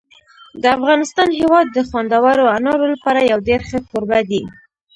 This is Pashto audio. د افغانستان هېواد د خوندورو انارو لپاره یو ډېر ښه کوربه دی.